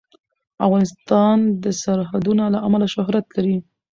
افغانستان د سرحدونه له امله شهرت لري.